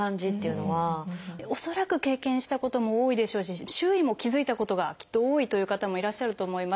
恐らく経験したことも多いでしょうし周囲も気付いたことがきっと多いという方もいらっしゃると思います。